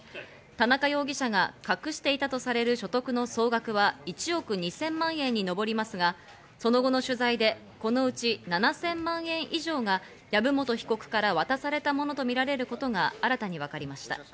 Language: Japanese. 田中容疑者が隠していたとされる所得の総額は１億２０００万円にのぼりますが、その後の取材でこのうち７０００万円以上が籔本被告から渡されたものとみられることが新たに分かりました。